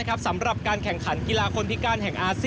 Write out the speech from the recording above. การแข่งขันที่เยอะก็มีคำว่า